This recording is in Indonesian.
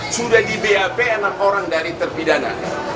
sudah di bap enam orang dari terpidana